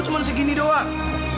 cuma segini doang